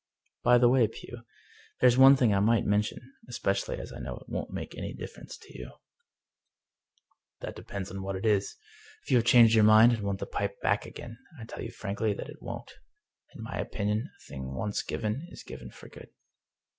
" By the way, Pugh, there is one thing I might mention, especially as I know it won't make any difference to you." 227 English Mystery Stories " That depends on what it is. If you have changed your mind, and want the pipe back again, I tell you frankly that it won't. In my opinion, a thing once g^ven is given for good."